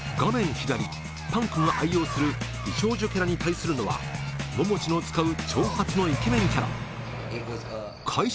左ＰＵＮＫが愛用する美少女キャラに対するのはももちの使う長髪のイケメンキャラ開始